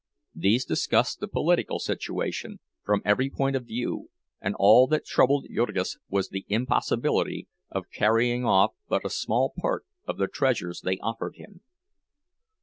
These discussed the political situation from every point of view, and all that troubled Jurgis was the impossibility of carrying off but a small part of the treasures they offered him.